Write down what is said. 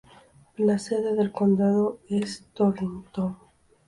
La sede del condado es Torrington.